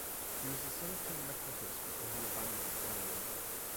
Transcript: He was the son of King Mempricius before he abandoned the family.